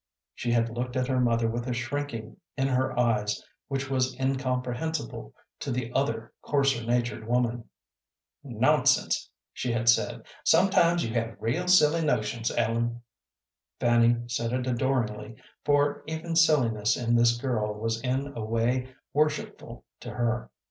She had looked at her mother with a shrinking in her eyes which was incomprehensible to the other coarser natured woman. "Nonsense," she had said. "Sometimes you have real silly notions, Ellen." Fanny said it adoringly, for even silliness in this girl was in a way worshipful to her.